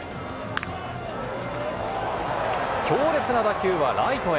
強烈な打球はライトへ。